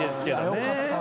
よかった。